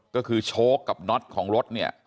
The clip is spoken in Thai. ก็คือโชคกับน็อตของรถเนี่ย